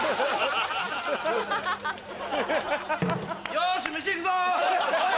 よし飯行くぞ！